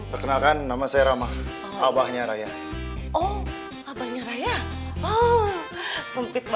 oh enggak brake rabbit